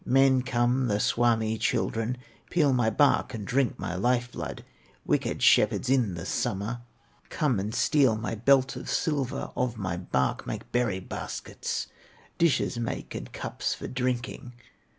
Often come the Suomi children, Peel my bark and drink my life blood: Wicked shepherds in the summer, Come and steal my belt of silver, Of my bark make berry baskets, Dishes make, and cups for drinking.